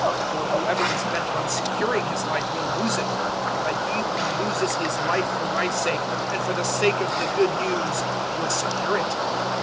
008:035 For whoever is bent on securing his life will lose it, but he who loses his life for my sake, and for the sake of the Good News, will secure it.